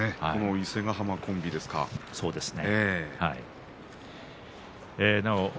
伊勢ヶ濱コンビですよね。